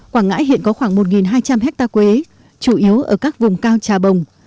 quảng ngãi hiện có khoảng một hai trăm linh hectare quế chủ yếu ở các vùng cao trà bồng